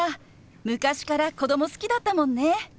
昔から子供好きだったもんね。